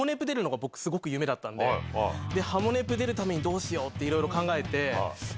『ハモネプ』出るためにどうしよう？って考えて。